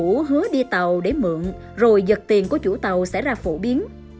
tình trạng ngư phủ hứa đi tàu để mượn rồi giật tiền của chủ tàu sẽ ra phổ biến